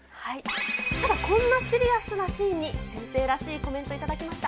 ただ、こんなシリアスなシーンに先生らしいコメント頂きました。